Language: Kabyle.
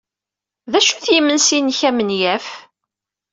D acu-t yimensi-nnek amenyaf?